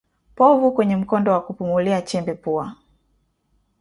Povu kwenye mkondo wa kupumulia chembe pua